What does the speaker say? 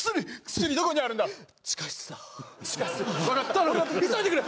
頼む急いでくれ。